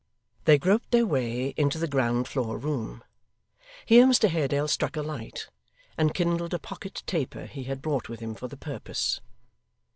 They groped their way into the ground floor room. Here Mr Haredale struck a light, and kindled a pocket taper he had brought with him for the purpose.